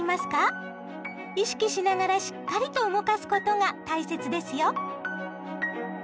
意識しながらしっかりと動かすことが大切ですよ！